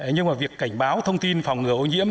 nhưng mà việc cảnh báo thông tin phòng ngừa ô nhiễm